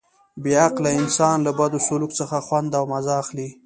بې عقله انسان له بد سلوک څخه خوند او مزه اخلي.